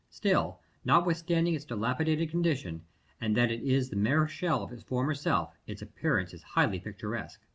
Still, notwithstanding its dilapidated condition, and that it is the mere shell of its former self, its appearance is highly picturesque.